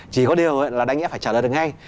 chỉ có điều là đánh nghĩa phải trả lời được ngay